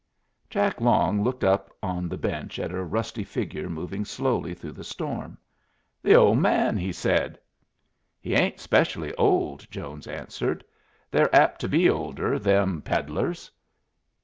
Jack Long looked up on the bench at a rusty figure moving slowly through the storm. "Th' ole man!" he said. "He ain't specially old," Jones answered. "They're apt to be older, them peddlers."